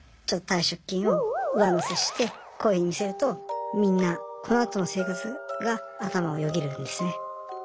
ちょっと退職金を上乗せしてこういうふうに見せるとみんなこのあとの生活が頭をよぎるんですね。